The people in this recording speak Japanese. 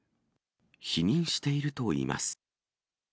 否認しているといいます。